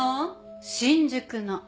新宿の。